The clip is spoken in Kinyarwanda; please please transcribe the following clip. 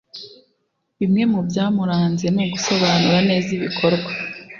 Bimwe mu byamuranze ni ugusobanura neza ibikorwa